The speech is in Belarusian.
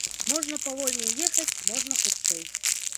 Можна павольней ехаць, можна хутчэй.